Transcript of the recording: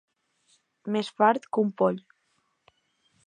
Més fart que un poll.